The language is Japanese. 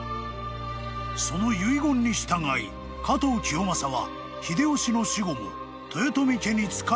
［その遺言に従い加藤清正は秀吉の死後も豊臣家に仕えた］